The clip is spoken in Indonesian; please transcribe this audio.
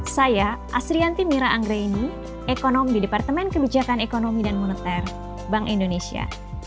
saya asrianti mira anggraini ekonomi departemen kebijakan ekonomi dan moneter bank indonesia